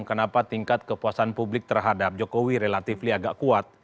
kenapa tingkat kepuasan publik terhadap jokowi relatif agak kuat